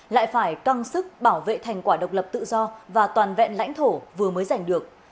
lại phải căng sức bảo vệ thành quả độc lập tự do và toàn vẹn lãnh thổ vừa mới giành được